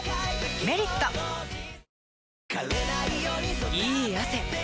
「メリット」いい汗。